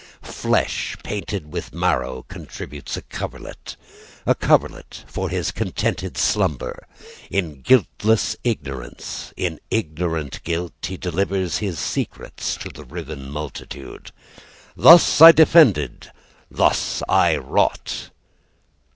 Flesh painted with marrow Contributes a coverlet, A coverlet for his contented slumber. In guiltless ignorance, in ignorant guilt, He delivered his secrets to the riven multitude. "Thus I defended: Thus I wrought."